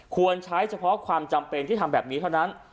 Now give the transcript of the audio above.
ควรใช้เฉพาะความจำเป็นที่ทำแบบนี้เท่านั้น